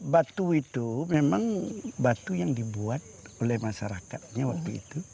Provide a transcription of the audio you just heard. batu itu memang batu yang dibuat oleh masyarakatnya waktu itu